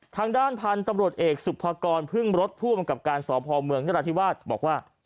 ทางด้านพันธุ์ตำรวจเอกสุภากรพึ่งรถผู้บังกับการสพเมืองนราธิวาสบอกว่า